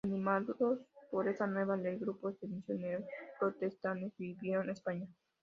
Animados por esta nueva ley, grupos de misioneros protestantes vinieron a España.